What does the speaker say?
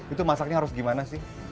itu masaknya harus gimana sih